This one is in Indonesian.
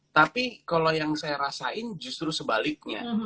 tapi kalau yang saya rasain justru sebaliknya